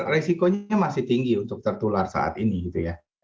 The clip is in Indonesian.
resikonya masih tinggi untuk tertular saat ini gitu ya